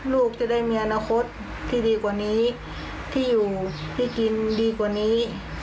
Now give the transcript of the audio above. ลูกจะได้มีอนาคตที่ดีกว่านี้ที่อยู่ที่กินดีกว่านี้